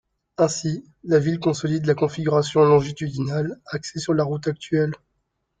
Ainsi, la ville consolide la configuration longitudinale axée sur la route actuelle.